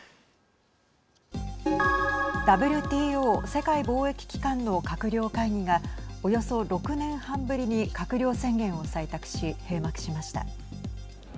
ＷＴＯ＝世界貿易機関の閣僚会議がおよそ６年半ぶりに閣僚宣言を採択し閉幕しました。